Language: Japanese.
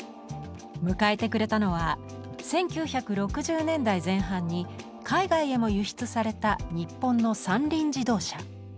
迎えてくれたのは１９６０年代前半に海外へも輸出された日本の三輪自動車。